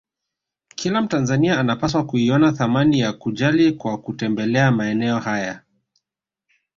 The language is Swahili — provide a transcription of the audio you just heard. Kila Mtanzania anapaswa kuiona thamani ya kujali kwa kutembelea maeneo haya